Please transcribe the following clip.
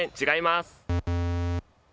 違います。